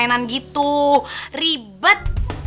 pengen mainan gitu ribet